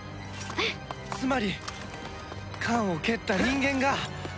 つまり缶を蹴った人間が。